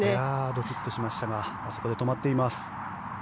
ドキッとしましたがあそこで止まっています。